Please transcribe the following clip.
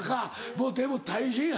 もうでも大変や。